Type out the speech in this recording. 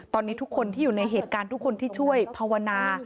ตอนนี้ทุกคนที่อยู่ในเหตุการณ์ทุกคนที่ช่วยภาวนา